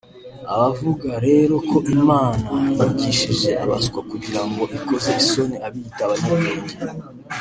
Abavuga rero ko Imana yigishije abaswa kugira ngo ikoze isoni abiyita abanyabwenge